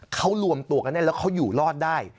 เขารวมตัวกันแน่แล้วเขาอยู่รอดได้